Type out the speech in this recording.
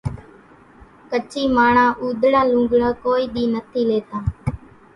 ڪڇي ماڻۿان اُوڌڙان لوڳڙان ڪونئين ۮي نٿي ليتان